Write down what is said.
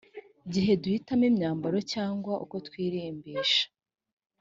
gihe duhitamo imyambaro cyangwa uko twirimbisha